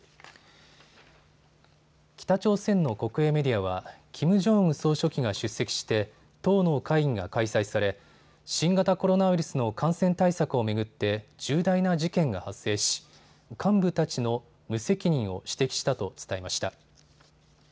北朝鮮の国営メディアはキム・ジョンウン総書記が出席して党の会議が開催され新型コロナウイルスの感染対策を巡って重大な事件が発生し、幹部たちの無責任を指摘したと伝えました。